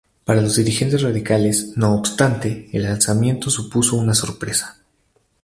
Para los dirigentes radicales, no obstante, el alzamiento supuso una sorpresa.